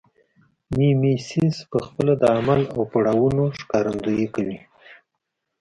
میمیسیس پخپله د عمل او پړاوونو ښکارندویي کوي